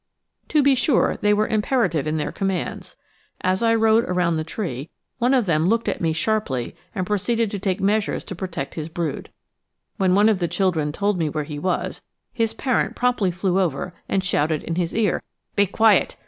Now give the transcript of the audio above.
To be sure, they were imperative in their commands. As I rode, around the tree, one of them looked at me sharply and proceeded to take measures to protect his brood. When one of the children told me where he was, his parent promptly flew over and shouted in his ear, "Be quiet!"